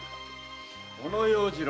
小野要次郎。